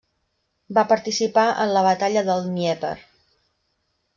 Va participar en la batalla pel Dnièper.